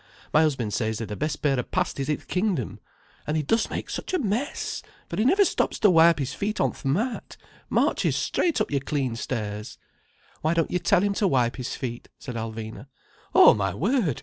My husband says they're the best pair o' pasties i' th' kingdom. An' he does make such a mess, for he never stops to wipe his feet on th' mat, marches straight up your clean stairs—" "Why don't you tell him to wipe his feet?" said Alvina. "Oh my word!